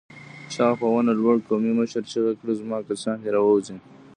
چاغ په ونه لوړ قومي مشر چيغه کړه! زما کسان دې راووځي!